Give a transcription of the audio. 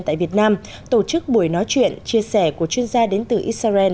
tại việt nam tổ chức buổi nói chuyện chia sẻ của chuyên gia đến từ israel